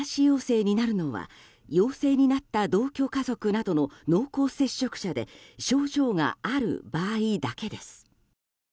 陽性になるのは陽性になった同居家族などの濃厚接触者で症状がある場合だけです。